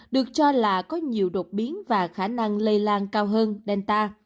được cho là có nhiều đột biến và khả năng lây lan cao hơn delta